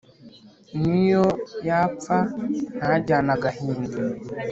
niyo yapfa ntajyane agahinda.